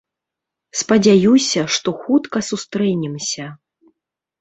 Спадзяюся, што хутка сустрэнемся.